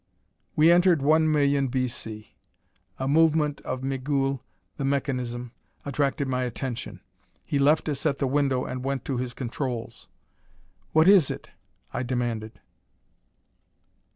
We entered 1,000,000 B. C. A movement of Migul, the mechanism, attracted my attention. He left us at the window and went to his controls. "What is it?" I demanded.